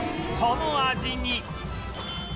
その味に